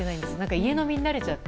家飲みに慣れちゃって。